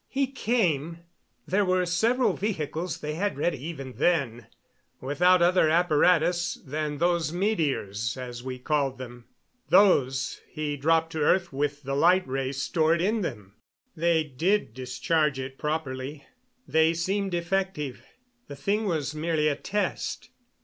He came there were several vehicles they had ready even then without other apparatus than those meteors, as we called them. Those he dropped to earth with the light ray stored in them. They did discharge it properly they seemed effective. The thing was merely a test.